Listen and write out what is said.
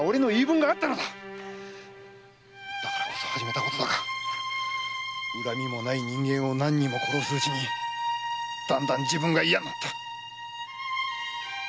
だからこそ始めたことだが恨みもない人間を何人も殺すうちにだんだん自分がいやになった！